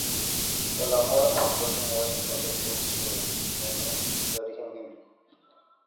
El amor al prójimo es un concepto judeocristiano de origen bíblico.